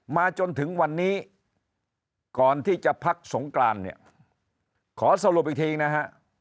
มาจนถึงวันนี้ก่อนที่จะพักสงกรานเนี่ยขอสรุปอีกทีนะฮะ